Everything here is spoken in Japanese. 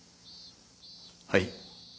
はい。